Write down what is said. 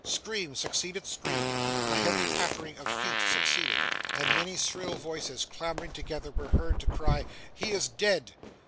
Scream succeeded scream; a heavy pattering of feet succeeded; and many shrill voices clamouring together were heard to cry, 'He is dead!